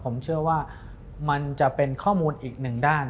ผมเชื่อว่ามันจะเป็นข้อมูลอีกหนึ่งด้าน